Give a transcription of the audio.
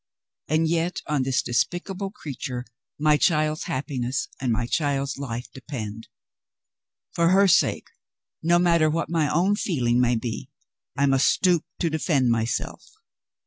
And yet on this despicable creature my child's happiness and my child's life depend! For her sake, no matter what my own feeling may be, I must stoop to defend myself.